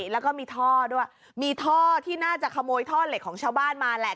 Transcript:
แล้วก็มีท่อด้วยมีท่อที่น่าจะขโมยท่อเหล็กของชาวบ้านมาแหละ